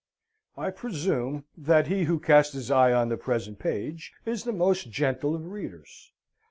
I presume that he who casts his eye on the present page is the most gentle of readers.